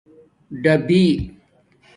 ڈبِی